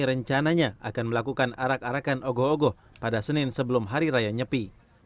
rencananya akan melakukan arak arakan ogoh ogoh pada senin sebelum hari raya nyepi